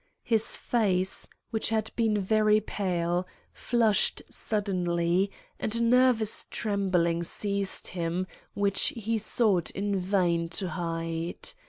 His face, which had been very pale, flushed suddenly, and a nervous trembling seized him which he sought in vain to hide.